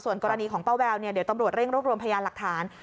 ส่วนกรณีของป้าแววเดี๋ยวตำรวจเร่งรวบรวมพยานหลักฐาน